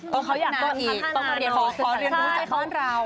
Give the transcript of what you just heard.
เพราะเขาอยากต้องพัฒนาหน่อย